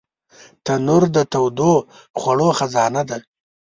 تنور د تودو خوړو خزانه ده